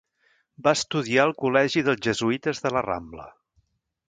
Va estudiar al col·legi dels jesuïtes de la Rambla.